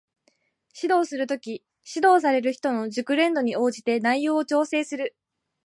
指導する時、指導される人の熟練度に応じて内容を調整する